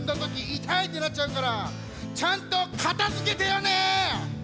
「いたい」ってなっちゃうからちゃんとかたづけてよね！